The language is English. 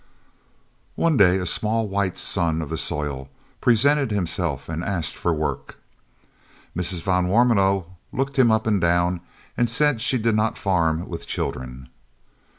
One day a small white son of the soil presented himself and asked for work. Mrs. van Warmelo looked him up and down and said she did not farm with children.